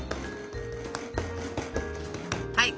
はい。